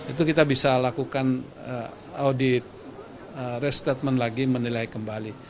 itu kita bisa lakukan audit restatement lagi menilai kembali